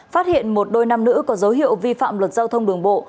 phát hiện một đôi nam nữ có dấu hiệu vi phạm luật giao thông đường bộ